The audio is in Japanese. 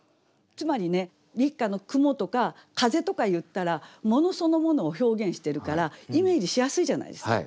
つまりね「立夏の雲」とか「風」とかいったら物そのものを表現してるからイメージしやすいじゃないですか。